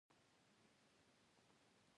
سړي شونډې وخوځېدې.